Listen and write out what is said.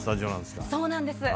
そうなんです。